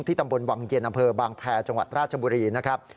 ตำบลวังเย็นอำเภอบางแพรจังหวัดราชบุรีนะครับ